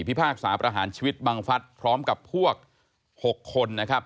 พากษาประหารชีวิตบังฟัฐพร้อมกับพวก๖คนนะครับ